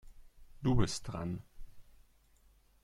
Du bist dran.